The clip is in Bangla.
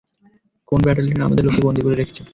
কোন ব্যাটালিয়ন আমাদের লোককে বন্দী করে রেখেছে?